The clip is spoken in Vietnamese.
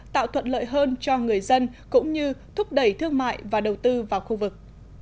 tạo thuận lợi hơn cho người dân cũng như thúc đẩy thương mại và đầu tư vào khu vực